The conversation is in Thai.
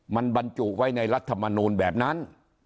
มันบรรจุไว้ในรัฐมนูลแบบนั้น